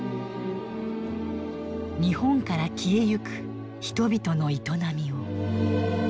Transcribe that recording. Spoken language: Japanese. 日本から消えゆく人々の営みを。